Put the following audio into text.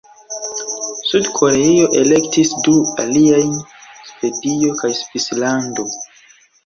Sud-Koreio elektis du aliajn: Svedio kaj Svislando.